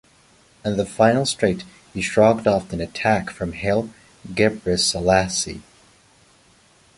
On the final straight he shrugged off an attack from Haile Gebreselassie.